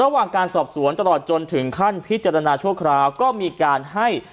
ระหว่างการสอบสวนตลอดจนถึงขั้นพิจารณาชั่วคราวก็มีการให้